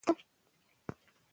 زده کړه باید ونه دریږي.